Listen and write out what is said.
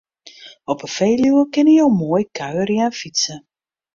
Op 'e Feluwe kinne jo moai kuierje en fytse.